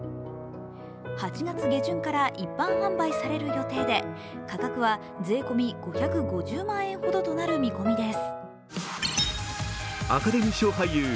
８月下旬から一般販売される予定で価格は税込み５５０万円ほどとなる見込みです。